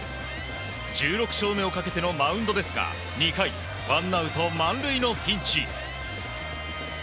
１６勝目をかけてのマウンドですが２回、ワンアウト満塁のピンチ。